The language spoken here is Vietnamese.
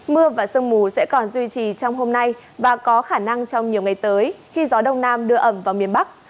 mưa và sương mù sẽ còn duy trì trong hôm nay và có khả năng trong nhiều ngày tới khi gió đông nam đưa ẩm vào miền bắc